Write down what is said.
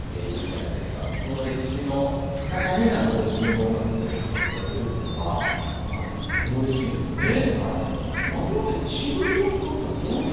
その歴史の中に何かこう自分の音楽も入れさせて頂けるっていうのはとてもうれしいですよね。